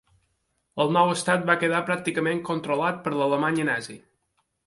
El nou estat va quedar pràcticament controlat per l'Alemanya nazi.